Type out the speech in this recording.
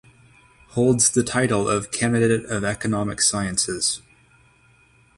Holds the title of Candidate of Economic Sciences.